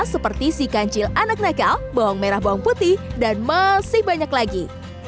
seperti si kancil anak nekal bawang merah bawang putih dan masih banyak lagi